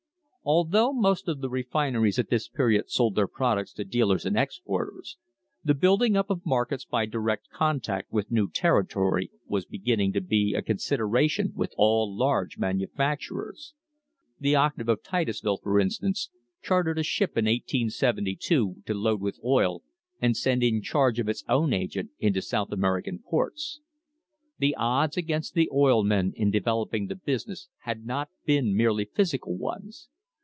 Although most of the refineries at this period sold their products to dealers and exporters, the building up of markets by direct contact with new territory was beginning to be a consideration with all large manufacturers. The Octave of Titusville, for instance, chartered a ship in 1872 to load with oil and send in charge of its own agent into South American ports. The odds against the oil men in developing the business had not been merely physical ones.